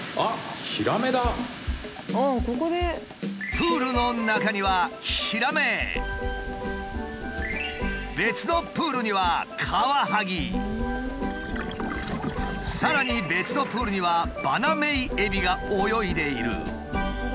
プールの中には別のプールにはさらに別のプールにはバナメイエビが泳いでいる。